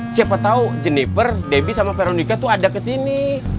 siapa tau jennifer debbie sama veronika tuh ada kesini